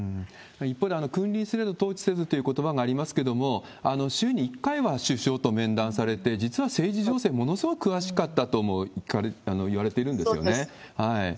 一方で、君臨すれど統治せずということばがありますけれども、週に１回は首相と面談されて、実は政治情勢、ものすごく詳しかったともいわれそうです。